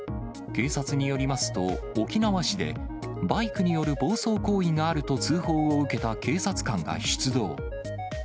警察によりますと、沖縄市で、バイクによる暴走行為があると通報を受けた警察官が出動。